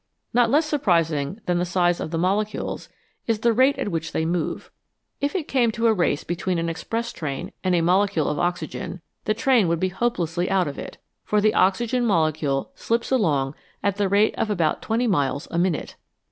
Not less surprising than the size of the mole cules is the rate at which they move. If it came to a race between an express train and a molecule of oxygen, the train would be hopelessly out of it ; for the oxygen molecule slips along at the rate of about twenty miles a minute.